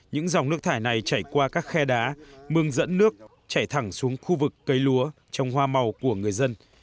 những dòng nước thải này chảy qua các khe đá mương dẫn nước chảy thẳng xuống khu vực cây lúa trong hoa màu của người dân